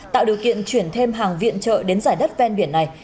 tạo điều kiện chuyển thêm hàng viện trợ đến giải đất ven biển này